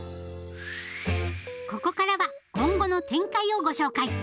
ここからは今後の展開をご紹介！